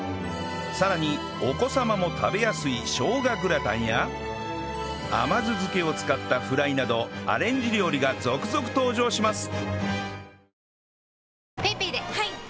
さらにお子様も食べやすい生姜グラタンや甘酢漬けを使ったフライなどアレンジ料理が続々登場します